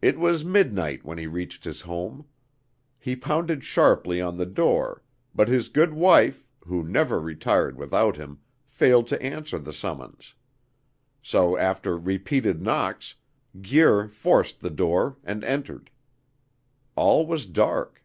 "It was midnight when he reached his home. He pounded sharply on the door; but his good wife, who never retired without him, failed to answer the summons. So, after repeated knocks, Guir forced the door and entered. All was dark.